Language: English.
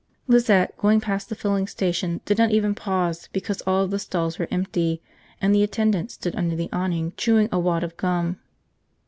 Lizette, going past the filling station, did not even pause because all of the stalls were empty and the attendant stood under the awning chewing a wad of gum.